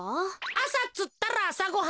あさっつったらあさごはん。